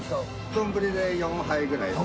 丼で４杯ぐらいです。